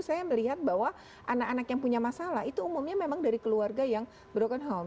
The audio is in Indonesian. saya melihat bahwa anak anak yang punya masalah itu umumnya memang dari keluarga yang broken home